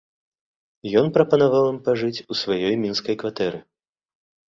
Ён прапаноўваў ім пажыць у сваёй мінскай кватэры.